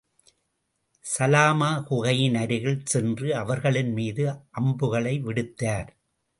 Salama குகையின் அருகில் சென்று அவர்களின் மீது அம்புகளை விடுத்தார்.